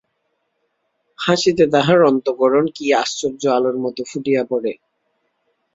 হাসিতে তাহার অন্তঃকরণ কী আশ্চর্য আলোর মতো ফুটিয়া পড়ে!